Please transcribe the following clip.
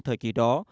thời kỳ đó